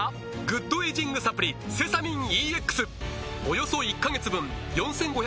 グッドエイジングサプリ「セサミンＥＸ」およそ１カ月分４５３６円